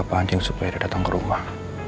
gue pancing supaya dia datang ke rumah